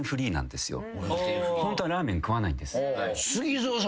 ホントはラーメン食わないんです。